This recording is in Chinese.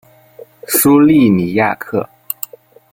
苏利尼亚克。